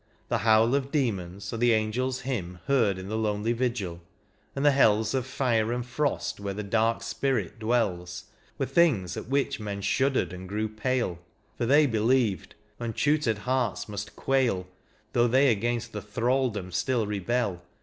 The howl of demons, or the angel's hymn Heard in the lonely vigil ; and the heUs Of fire and frost, where the dark spirit dwells. Were things at which men shuddered and grew pale — For they believed — untutored hearts must quail. Though they against the thraldom still rebel.